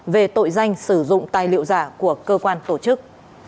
về tội danh sử dụng tài liệu giả của cơ quan tổ chức